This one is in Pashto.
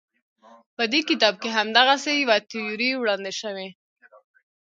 په دې کتاب کې همدغسې یوه تیوري وړاندې شوې.